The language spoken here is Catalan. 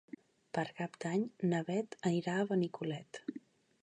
Per Cap d'Any na Bet anirà a Benicolet.